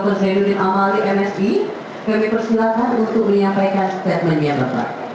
profesor yudin amali msi kami persilakan untuk menyampaikan statementnya bapak